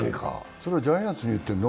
それはジャイアンツに言ってるの？